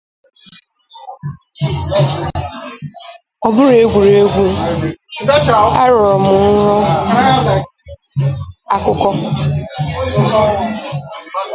It's not just play. I have a dream story that I was daydreaming.